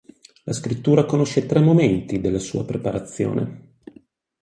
La scrittura conosce tre momenti della sua preparazione.